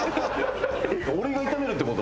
俺が炒めるって事？